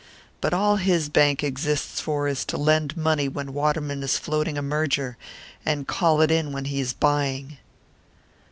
But all his bank exists for is to lend money when Waterman is floating a merger, and call it in when he is buying."